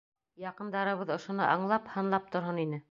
Яҡындарыбыҙ ошоно аңлап, һанлап торһон ине.